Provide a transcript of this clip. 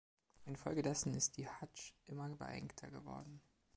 Infolgedessen ist die Hadsch immer beengter geworden.